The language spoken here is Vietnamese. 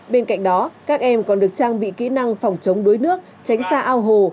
bên cạnh đó các em còn được trang bị kỹ năng phòng chống đuối nước tránh xa ao hồ